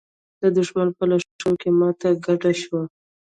د دښمن په لښکر کې ماته ګډه شوه.